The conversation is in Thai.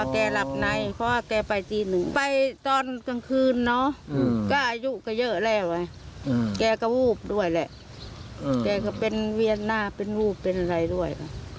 แกก็วูบด้วยแหละแกก็เป็นเวียดหน้าเป็นวูบเป็นอะไรด้วย